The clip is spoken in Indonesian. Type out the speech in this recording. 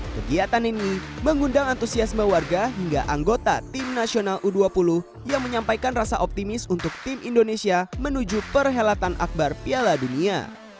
kegiatan ini mengundang antusiasme warga hingga anggota tim nasional u dua puluh yang menyampaikan rasa optimis untuk tim indonesia menuju perhelatan akbar piala dunia